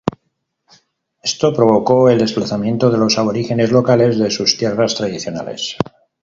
Esto provocó el desplazamiento de los aborígenes locales de sus tierras tradicionales.